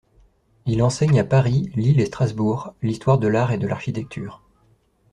Il enseigne à Paris, Lille et Strasbourg l'histoire de l'art et de l'architecture.